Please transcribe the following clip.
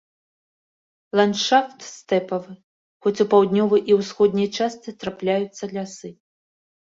Ландшафт стэпавы, хоць у паўднёвай і ўсходняй частцы трапляюцца лясы.